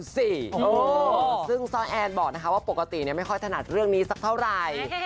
ซ่อนแอนบอกปกติไม่ค่อยถนัดเรื่องนี้สักเท่าไร